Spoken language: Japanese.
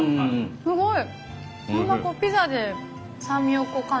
すごい。